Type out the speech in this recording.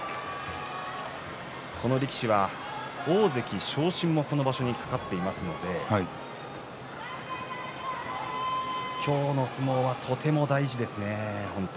この力士は大関昇進もこの場所に懸かっていますので今日の相撲はとても大事ですね。